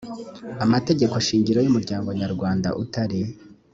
amategeko shingiro y umuryango nyarwanda utari